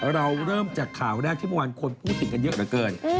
เราเริ่มจากข่าวแรกที่เมื่อวานคนพูดถึงกันเยอะเหลือเกิน